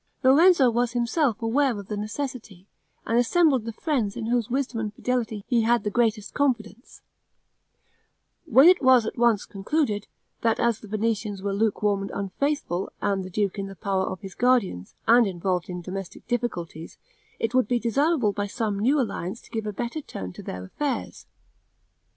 Lorenzo was himself aware of the necessity, and assembled the friends in whose wisdom and fidelity he had the greatest confidence, when it was at once concluded, that as the Venetians were lukewarm and unfaithful, and the duke in the power of his guardians, and involved in domestic difficulties, it would be desirable by some new alliance to give a better turn to their affairs.